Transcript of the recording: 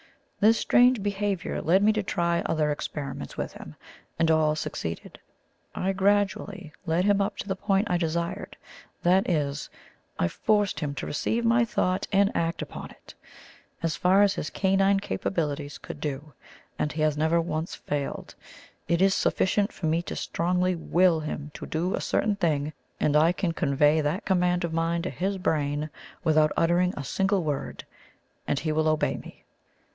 This strange behaviour led me to try other experiments with him, and all succeeded. I gradually led him up to the point I desired that is, I FORCED HIM TO RECEIVE MY THOUGHT AND ACT UPON IT, as far as his canine capabilities could do, and he has never once failed. It is sufficient for me to strongly WILL him to do a certain thing, and I can convey that command of mine to his brain without uttering a single word, and he will obey me."